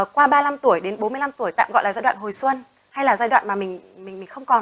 qua ba mươi năm tuổi đến bốn mươi năm tuổi tạm gọi là giai đoạn hồi xuân hay là giai đoạn mà mình không còn